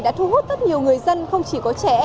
đã thu hút rất nhiều người dân không chỉ có trẻ